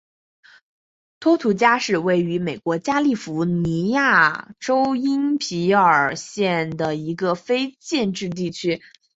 托图加是位于美国加利福尼亚州因皮里尔县的一个非建制地区。